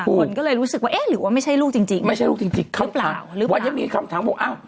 คนก็เลยรู้สึกว่าเอ๊ะหรือว่าไม่ใช่ลูกจริงไม่ใช่ลูกจริงหรือเปล่าว่ายังมีคำถามว่า